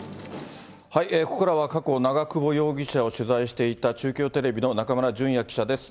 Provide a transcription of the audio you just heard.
ここからは過去、長久保容疑者を取材していた中京テレビの中村純也記者です。